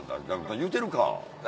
言うてるか！